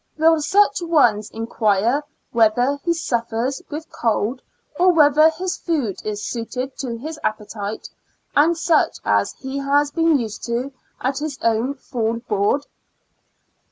Will such ones inquire whether he suffers IN A L UNA TIC A STL mi. 3 J[ with cold, or whether his food is suited to his appetite, and such as he has been used to at his own full board?